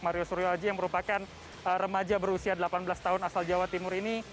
mario suryo aji yang merupakan remaja berusia delapan belas tahun asal jawa timur ini